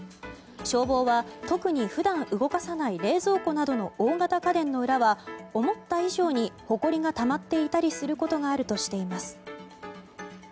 消防は、特に普段動かさない冷蔵庫などの大型家電の裏は思った以上に、ほこりがたまっていたりすることがあるとしています。